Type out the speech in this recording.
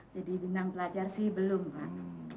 jadi bintang belajar sih belum pak